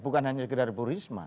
bukan hanya sekedar bu risma